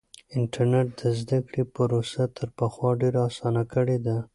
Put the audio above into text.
انټرنیټ د زده کړې پروسه تر پخوا ډېره اسانه کړې ده.